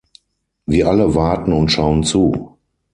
Wir alle warten und schauen zu.